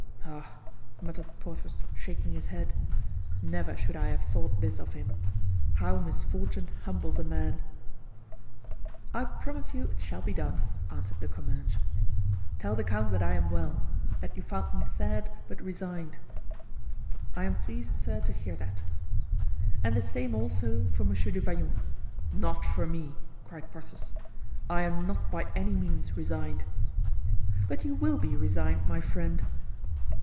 "Oh!" muttered Porthos, shaking his head, "never should I have thought this of him! How misfortune humbles a man!" "I promise you it shall be done," answered De Comminges. "Tell the count that I am well; that you found me sad, but resigned." "I am pleased, sir, to hear that." "And the same, also, for Monsieur du Vallon——" "Not for me," cried Porthos; "I am not by any means resigned." "But you will be resigned, my friend."